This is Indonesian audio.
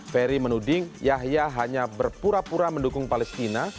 ferry menuding yahya hanya berpura pura mendukung palestina